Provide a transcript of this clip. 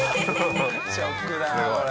ショックだなこれ。